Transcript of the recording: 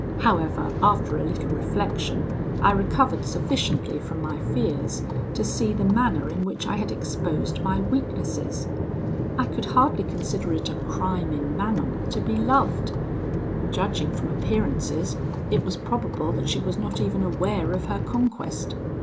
However, after a little reflection, I recovered sufficiently from my fears to see the manner in which I had exposed my weaknesses. I could hardly consider it a crime in Manon to be loved. Judging from appearances, it was probable that she was not even aware of her conquest.